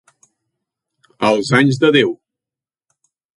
Els anys de Déu.